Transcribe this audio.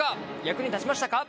役に立ちましたか？